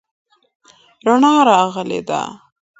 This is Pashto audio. رڼا راغلې ده.